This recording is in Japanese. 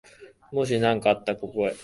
もしなにかあったら、ここへ。